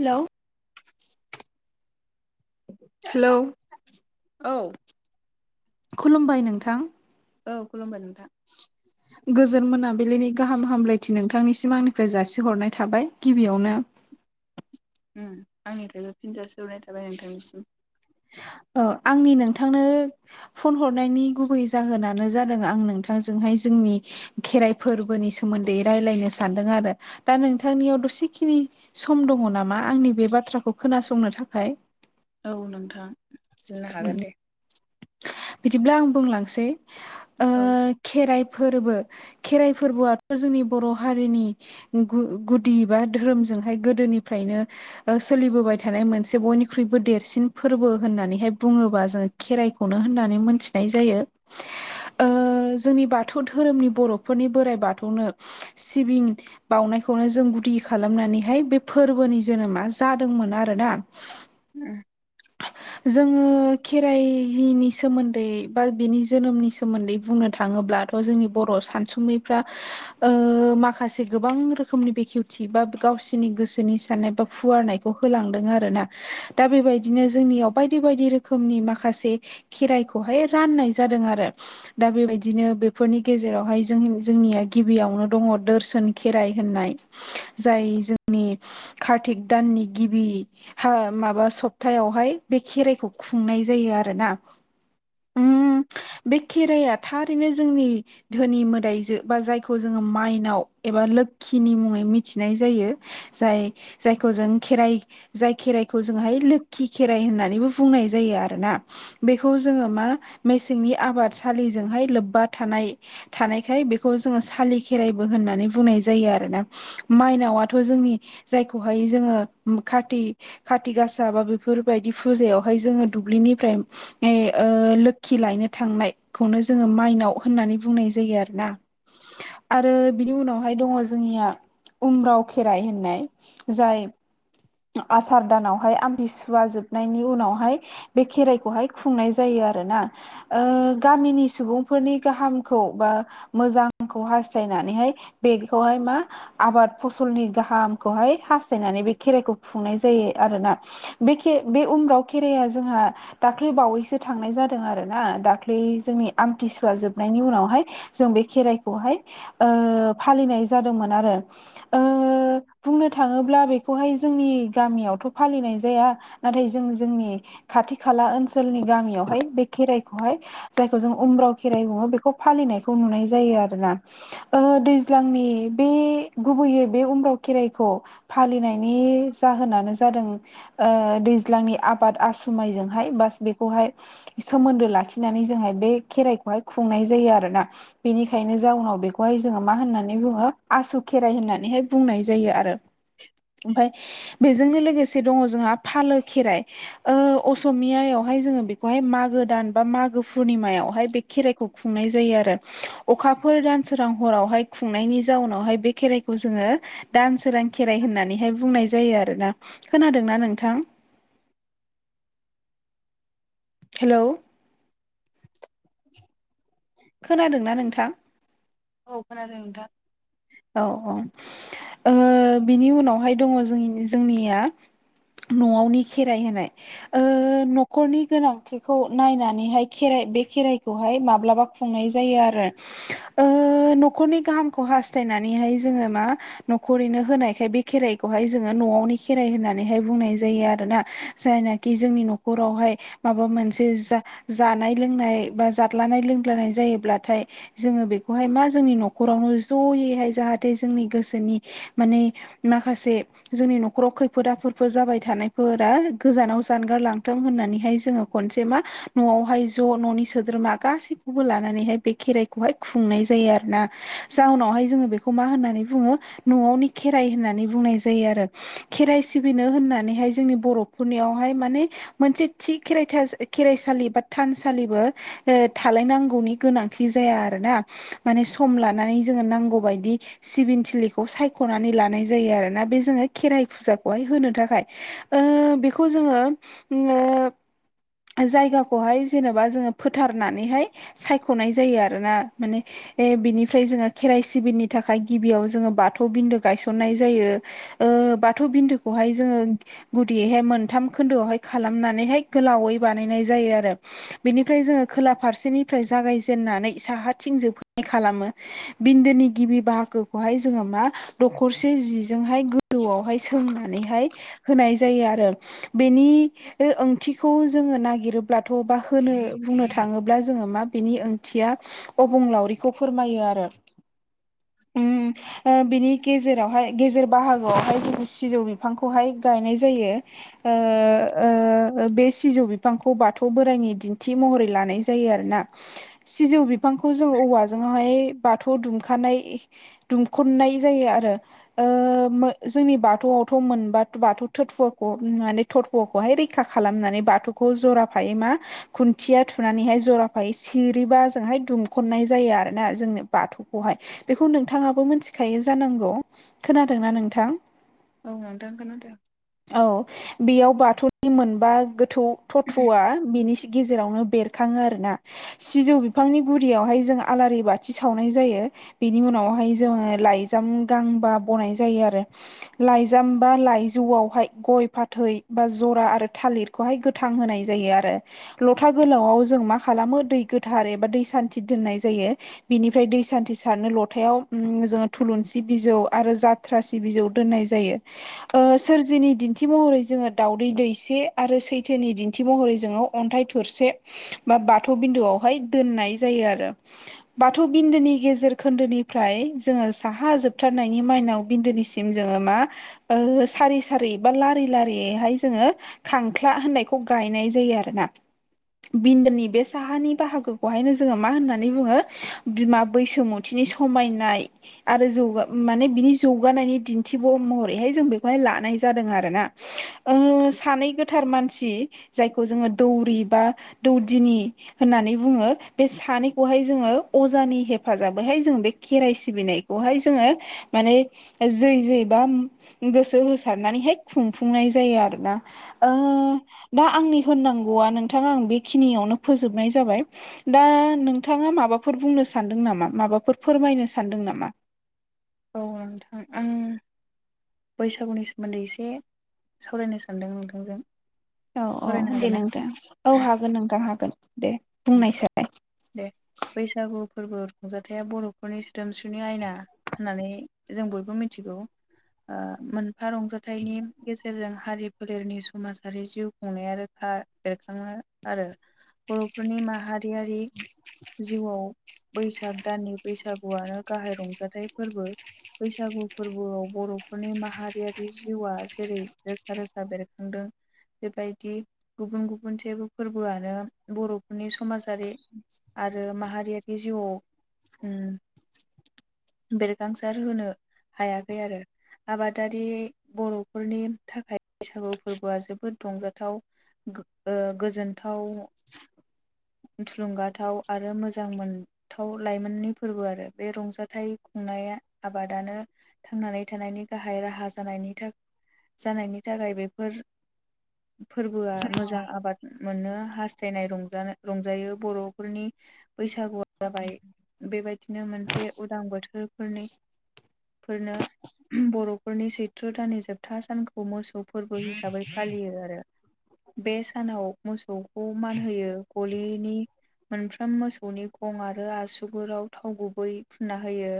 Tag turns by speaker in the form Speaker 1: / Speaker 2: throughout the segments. Speaker 1: Hello
Speaker 2: [inaudible]
Speaker 1: hello
Speaker 2: औ
Speaker 1: खुलुमबाय नोंथां
Speaker 2: औ खुलुमबाय नोंथां।
Speaker 1: [inaudible] गोजोन मोनाबिलिनि गाहाम हामलायथि नोंथांनिसिम आंनिफ्राय जासिहरनाय थाबाय गिबियावनो।
Speaker 2: उम आंनिफ्रायबो फिनजाास हराय थाबाय नोंथांनिसिम।
Speaker 1: औ आंनि नोंथांनो फन हरनायनि गुबै जाहोनानो जादों आं नोंथांजोंहाय जोंनि खेराइ फोरबोनि सोमोन्दै रायलायनो सानदों आरो दा नोंथांनियाव दसेखिनि सम दङ नामा आंनि बे बाथ्राखौ खोनासंनो थाखाय
Speaker 2: औ नोंथां बुंनो
Speaker 1: उम
Speaker 2: हागोन दे।
Speaker 1: बिदिब्ला आं बुंलांसै ओ
Speaker 2: औ
Speaker 1: खेराइ फोरबो खेराइ फोरबोआथ' जोंनि बर' हारिनि गु-गुदि बा धोरोमजोंहाय गोदोनिफ्रायनो ओ सोलिबोबाय थानाय मोनसे बयनिख्रुइबो देरसिन फोरबो होननानैहाय बुङोबा जोङो खेराइ खौनो होननानै मोनथिनाय जायो। ओ जोंनि बाथौ धोरोमनि बर'फोरनि बोराइ बाथौनो सिबिं बावउनायखौनो जों गुदि खालामनानैहाय बे फोरबोनि जोनोमा जादोंमोन आरोना
Speaker 2: उम
Speaker 1: जोङो खेराइनि सोमोन्दै बा बिनि जोनोमनि सोमोन्दै बुंनो थाङोब्ला थ' जोंनि बर' सानसुमैफ्रा ओ माखासे गोबां रोखोमनि बेखेवथि बा गावसोरनि गोसोनि साननाय बा फुवारनाय खौ होलांदों आरोना दा बेबायद बिदिनो जोंनियाव बायदि बायदि रोखोमनि माखासे खेराइखौहाय राननाय जादों आरो दा बेबायदिनो बेफोरनि गेजेरावहाय जों जोंनिया गिबियावनो दङ दोरसोन खेराइ होननाय जाय जोंनि खार्तिक दाननि गिबि हा माबा सप थायावहाय बे खेराइखौ खुंनाय जायो आरो ना उम बे खेराइया थारैनो जोंनि धोनि मोदायजो बा जायखौ जोङो माइनाव एबा लोखिनि मुङै मिथिनाय जायो। जाय जायखौ जों खेराइ जाय खेराइखौ जोंहाय खि खेराइ होननानैबो बुंनाय जायो आरोना बेखौ जोङो मा मेसेंनि आबादसालिजोंहाय लोब्बा थानाय थानायखाय बेखौ जोङो सालि खेराइबो होननानै बुंनाय जायो आरोना माइनावाथ' जोंनि जायखौहाय जोङो उम खाथि खाथि गासा बा बेफ फोरबायदि फुजायावहाय जोङो दुब्लिनिफ्राय नाय ओ लोखि लायनो थांनायखौनो जोङो माइनाव होननानै बुंनाय जायो आरो ना आरो बिनि उनावहाय दङ जोंनिया उमराव खेराइ होननाय जाय आ आसार दानावहाय आमथिस सुवा जोबनायनि उनावहाय बे खेराइखौहाय खुंनाय जायो आरो ना ओ गामिनि सुबुंफोरनि गाहामखौ बा मोजांखौ हास्थायनानैहाय बेगखौहाय मा आबाद फसलनि गाहामखौहाय हास्थायनानै बे खेराइखौ खुंनाय जायो आरोना। बे खे बे उम्राव खेराइआ जोंहा दाख्लै बावैसो थांनाय जादों आरो ना दाख्लै जोंनि आमथिसुवा जोबनायनि उनावहाय जों बे खेराइखौहाय ओ फालिनाय जादोंमोन आरो ओ बुंनो थाङोब्ला बेखौहाय जोंनि गामियावथ' फालिनाय जाया। नाथाय जों जोंनि खाथि खाला ओनसोलनि गामियावहाय बे खेराइखौहाय जायखौ जों उम्राव खेराइ बुङो बेखौ फालिनायखौ नुनाय जायो आरो ना ओ दैज्लांनि बे गुबैयै बे उमब्राव खेराइखौ फालिनायनि जाहोनानो जादों ओ दैज्लांनि आबाद आसुमायजोंहाय बास बेखौहाय सोमोन्दो लाखिनानै जोंहाय बे खेराइखौहाय खुंनाय जायो आरो ना बेनिखायनो जाउनाव बेखौहाय जोङो मा होननानै बुङो आसु खेराइ होननानैहाय बुंनाय जायो आरो
Speaker 2: [inaudible]
Speaker 1: ओमफाय बेजोंनो लोगोसे दङ जोंहा फालो खेराइ ओ असमीयायाव जों बेखौहाय मागो दान बा मागो पुर्निमायावहाय बे खेराइखौ खुंनाय जायो आरो अखाफोर दानसोरां हरावहाय खुंनायनि जाउनावहाय बे खेराइखौ जोङो दान सोरां खेराइ होननानैहाय बुंनाय जायो आरोना खोनादोंना नोंथां? हेलौ खोनादोंना नोंथां?
Speaker 2: औ खोनादों नोंथां।
Speaker 1: औ औ ओ बिनि उनावहाय दङ जोंनि जोंनिया न'आवनि खेराइ होनाय ओ न'खरनि गोनांथिखौ नायनानैहाय खेराइ बे खेराइखौहाय माब्लाबा खुंनाय जायो आरो ओ न'खरनि गाहामखौ हास्थायनानैहाय जोङो मा न'खरैनो होनायखाय बे खेराइखौहाय जोङो न'आवनि खेराइ होननानैहाय बुंनाय जायो आरोना जायनाखि जोंनि न'खरावहाय माबा मोनसे जा जानाय लोंनाय बा जादलानाय लोंग्लानाय जायोब्लाथाय जोङो बेखौहाय मा जोंनि न'खरावनो ज'यैहाय जाहाथे जोंनि गोसोनि माने माखासे जोंनि न'खराव खैफोद आफोदफोर जाबाय थानायफोरा गोजानाव जानगार लांथों होननानैहाय जोङो खनसे मा न'आवहाय ज' न'नि सोद्रोमा गासैखौबो लानानैहाय बे खेराइखौहाय खुंनाय जायो आरो ना जाउनावहाय जोङो बेखौ मा होननानै बुङो न'आवनि खेराइ होननानै बुंनाय जायो आरो खेराइ सिबिनो होननानैहाय जोंनि बर'फोरनियावहाय माने मोनसे थि खेराइथा जा खेराइसालि बा थानसालिबो ओ थालायनांगौनि गोनांथि जाया आरोना माने सम ला नानै जोङो नांगौबायदि सिबिन थिलिखौ सायख'नानै लानाय जायो आरोना बे जोङो खेराइ फुजाखौहाय होनो थाखाय। ओ बेखौ जोङो ओम ओ जायगाखौहाय जेनेबा जोङो फोथारनानैहाय सायख'नाय जायो आरो ना माने बे बिनिफ्राय जोङो खेराइ सिबिननि थाखाय गिबियाव जोङो बाथौ बिन्दो गायसननाय जायो। ओ बाथौ बिन्दोखौहाय जोङो गुदियैहाय मोनथाम खोन्दोआवहाय खालामनानैहाय गोलावै बानायनाय जायो आरो। बेनिफ्राय जोङो खोला फारसेनिफ्राय जागायजेननानै साहाथिं जोबहैनाय खालामो। बिन्दोनि गिबि बाहागोखौहाय जोङो मा दखरसे जिजोंहाय गो जौवावहाय सोंनानैहाय होनाय जायो आरो बेनि ओ ओंथिखौ जोङो नागिरोब्लाथ' बा होनो बुंनो थाङोब्ला जोङो मा बिनि ओंथिया अबंलावरिखौ फोरमायो आरो। ओम ओ बिनि गेजेरावहाय गेजेर बाहागोआवहाय जों सिजौ बिफांखौहाय गायनाय जायो। ओ-ओ बे सिजौ बिफांखौ बाथौ बोराइनि दिन्थि महरै लानाय जायो आरोना। सिजौ बिफांखौ जों औवाजोंहाय बाथौ दुमखानाय दुमख'नाय जायो आरो। ओ मो जोंनि बाथौवावथ' मोनबा बाथौ [unintelligible] नुनानै थरप'खौहाय रैखा खालामनानै बाथौखौ जराफायै मा खुन्थिया थुनानैहाय जराफायै सिरिबाजोंहाय दुमखननाय जायो आरोना जोंनि बाथौ खौहाय बेखौ नोंथां आबो मिथिखायो जानांगौ खोनादोंना नोंथां।
Speaker 2: औ नोंथां खोनादो।
Speaker 1: औ बेयाव बाथौनि मोनबा गोथौ थथ'आ बिनि सि गेजेरावनो बेरखाङो आरोना। सिजौ बिफांनि गुरियावहाय जों आलारि बाथि सावनाय जायो। बेनि उनावहाय जोङो लाइजाम गांबा बनाय जायो आरो। लाइजाम बा लाइजौवावहाय गय फाथै बा जरा आरो थालिरखौहाय गो थां होनाय जायो आरो। लथा गोलावआव जों मा खालामो दै गोथार एबा दै सान्थि दोननाय जायो। बिनिफ्राय दै सान्थि सारनो लथायाव ओम‌ जोङो थुलुंसि बिजौ आरो जाद थ्रासि बिजौ दोननाय जायो। ओ सोरजिनि दिन्थि महरै जोङो दावदै दैसे आरो सै थोनि दिन्थि महरै जोङो अन्थाइ थरसे बा बाथौ बिन्दुवावहाय दोननाय जायो आरो। बाथौ बिन्दोनि गेजेर खोन्दोनिफ्राय जोङो साहा जोबथारनायनि माइनाव बिन्दोनिसिम जोङो मा ओ सारि-सारि बा लारि लारियैहाय जोङो खां ख्ला होननायखौ गायनाय जायो आरो ना। बिन्दोनि बे साहानि बाहागोखौहायनो जोङो मा होननानै बुङो बिमा बैसोमु थि समायनाय आरो जौगा माने बिनि जौगानायनि दिन्थिब' महरैहाय जों बेखौहाय लानाय जादों आर ना। ओ सानै गोथार मानसि जायखौ जोङो दौरि बा दौदिनि होननानै बुङो बे सानैखौहाय जोङो अजानि हेफाजाबैहाय जोंङो बे खेराइ सिबिनाय बहाय जोङो माने जै जैबा गोसो होसारनानैहाय खुंफुंनाय जायो आरो ना ओ दा आंनि होननांगौआ नोंथाङा आं बेखिनियावनो फोजोबनाय जाबाय। दा नोंथाङा माबाफोर बुंनो सान्दों नामा माबाफोर फोरमायनो सानदों नामा।
Speaker 2: औ नोंथां आं बैसागुनि सोमोन्दै एसे सावरायनो सान्दों नोंथांजों।
Speaker 1: औ औ
Speaker 2: सावरायनो
Speaker 1: दे
Speaker 2: हागोन ना
Speaker 1: नोंथां औ हागोन नोंथां हागोन दे बुंनायसाय।
Speaker 2: दे बैसागु फोरबो रंजाथाइया बर'फोरनि सोदोमस्रिनि आयना होननानै जों बयबो मिथिगौ ओ मोनफा रंजाथाइनि गेजेर [unintelligible] जों हारि फोलेरनि समाजारि जिउ खुंनाया रोखा बेरखांङो आरो बर'फोरनि माहारियारि जिउआव बैसाग दाननि बैसागुआनो गाहाय रंजाथाइ फोरबो। बैसागु फोरबोआव बर'फोरनि माहारियारि जिउआ जेरै रोखा रोखा बेरखांदों बेबायदि गुबुन गुबुन जेबो फोरबोआनो बर' नि समाजारि आरो माहारियारि जिउआव ओम बेरखांसार होनो हायाखै आरो। आबादारि बर'फोरनि थाखाय बैसागु फोरबोआ जोबोद रंजाथाव ओ गोजोनथाव थुलुंगाथाव आरो मोजां मोन थाव लाइमोननि फोरबो आरो बे रंजाथाइ खुंनाय आबादानो थांनानै थानायनि गाहाय राहा जानायनि जानायनि थाखाय बेफोर फोरबोआ मोजां आबाद मोनो हास्थायनाय रंजानो रंजायो बर'फोरनि बैसागुआ जाबाय बेबायदिनो मोनसे उदां बोथोरफोरनि फोरनो बर'फोरनि सैथ्र' दाननि जोबथा सानखौ मोसौ फोरबो हिसाबै फालियो आरो बे सानाव मोसौखौ मान होयो गलिनि मोनफ्राम मोसौनि गं आरो आसुगुराव थाव गुबै फुनना होयो।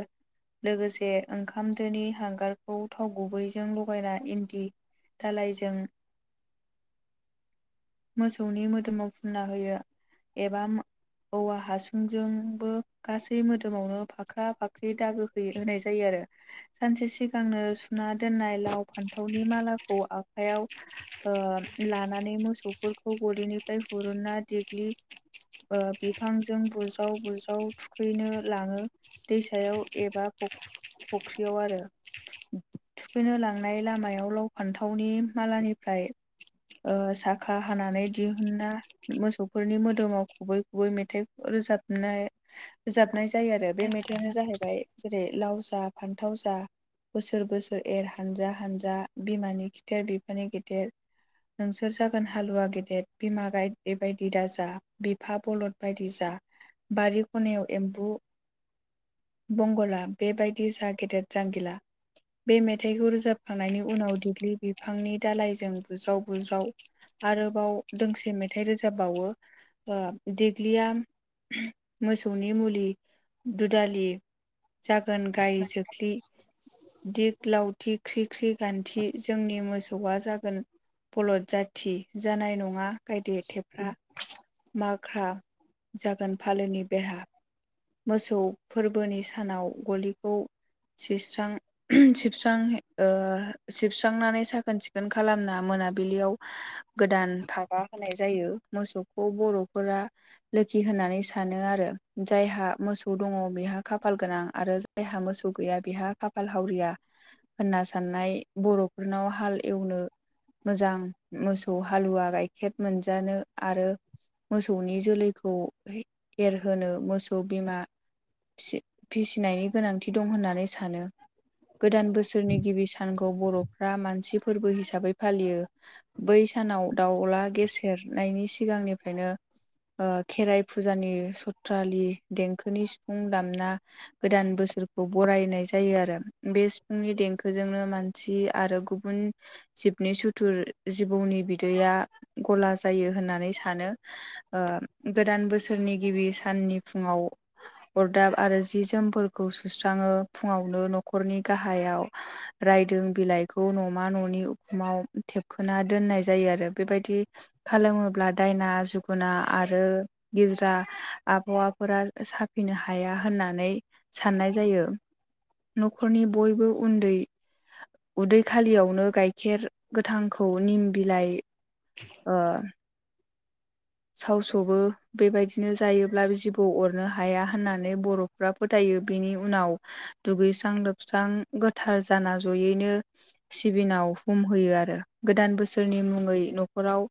Speaker 2: लोगोसे ओंखाम दोनि हांगारखौ थाव गुबैजों लगायना इन्दि दालायजों
Speaker 1: [unintelligible]
Speaker 2: मोसौनि मोदोमाव फुनना होयो। एबा औवा हासुंजोंबो गासै मोदोमावनो फाख्रा फाख्रि दागो हो होनाय जायो आरो। सानसे सिगांनो सुना दोननाय लाव फान्थावनि मालाखौ आखाइयाव ओ- लानानै मोसौफोरखौ गलिनिफ्राय हुरुना देग्लि ओ बिफांजों बुजाव बुजाव थुखैनो लाङो। दैसायाव एबा फख्रियाव आरो थुखैनो लांनाय लामायाव लाव फान्थावनि मालानिफ्राय ओ साखा हानानै दिहुना मोसौ फोरनि मोदोमाव खुबै खैबै मेथाइ रोजाबनाय रोजाबनाय जायो आरो बे मेथाइानो जाहैबाय जेरै लाव जा फान्थाव जा बोसोर बोसोर एर हानजा हानजा बिमानि खिथेर बिफानि गेदेर नोंसोर जागोन हालुवा गेदेद बिमा गाइदे बायदि दा जा बिफा बलद बायदि जा बारि खनायाव एम्बु बंगला बेबायदि जा गेदेर जांगिला बे मेथाइखौ रोजाबखांनायनि उनाव दिग्लि बिफांनि दालायजों बुज्राव बुज्राव आरोबाव दोंसे मेथाइ रोजाबबावो। ओ देग्लिया मोसौनि मुलि दुदालि जागोन गाय जोख्लि दिग लावथि ख्रि ख्रि गान्थि जोंनि मोसौ सौआ जागोन बलद जाथि जानाय नङा गायदे थेफ्रा माग्रा जागोन फालोनि बेरहा मोसौ फोरबोनि सानाव गलिखौ सीस्रां सिबस्रां ओ सिबस्रांनानै साखोन सिखोन खालामना मोनाबिलियाव गोदान भागा होनाय जायो। मोसौखौ बर'फोरा लोखि होननानै सानो आरो जायहा मोसौ दङ बेहा खाफाल गोनां आरो जायहा मोसौ गैया बेहा खाफाल हावरिया।। होनना साननाय बर'फोरनाव हाल एवनो मोजां मोसौ हालुवा गाइखेर मोनजानो आरो मोसौनि जोलैखौ एरहोनो मोसौ खौ बिमा फिसिनायनि गोनांथि दं होननानै सानो। गोदान बोसोरनि गिबि सानखौ बर'फ्रा मानसि फोरबो हिसाबै फालियो। बै सानाव दाउला गेसेेरनायनि सिगांनिफ्रायनो ओ खेराइ फुजानि सथ्रालि देंखोनि सिफुं दामना गोदान बोसोरखौ बरायनाय जायो आरो बे सिफुंनि देंखोजोंनो मानसि थि आरो गुबुन जिबनि सुथुर जिबौनि बिदैया गला जायो होननानै सानो ओ गोदान बोसोरनि गिबि साननि फुङाव अरदाब आरो जि जोमफोरखौ सुस्राङो फुङावनो न'खरनि गाहायाव रायदों बिलाइखौ न'मा न'नि उखुमाव थेबखोना दोननाय जायो आरो बेबायदि खालामोब्ला दायना जोगुना आरो गिज्रा आबहावाफोरा सा फैनो हाया होननानै साननाय जायो न'खरनि बयबो उन्दै उदै खालियावनो गाइखेर गोथांखौ निम बिलाइ ओ सावसोबो बेबायदिनो जायोब्ला जिबौ अरनो हाया होननानै बर' फ्रा फोथायो बिनि उनाव दुगैस्रां लोबस्रां गोथार जाना जयैनो सिबिनाव हुम होयो आरो गोदान बोसोरनि मुङै न'खराव